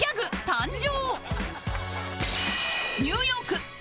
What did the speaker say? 誕生。